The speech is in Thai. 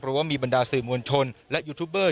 เพราะว่ามีบรรดาสื่อมวลชนและยูทูบเบอร์